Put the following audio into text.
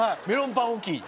メロンパン置き。